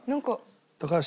高橋。